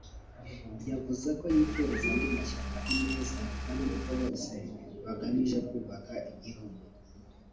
yavuze ko yifuriza andi mashyaka ineza kandi ko bose bagamije kwubaka igihugu